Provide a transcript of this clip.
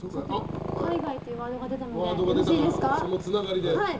海外とワードが出たのでよろしいですか。